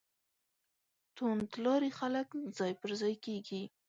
توندلاري خلک ځای پر ځای کېږي.